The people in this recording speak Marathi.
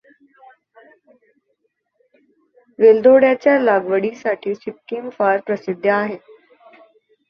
वेलदोड्याच्या लागवडीसाठी सिक्कीम फार प्रसिद्ध आहे.